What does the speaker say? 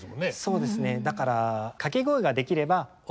そうですね。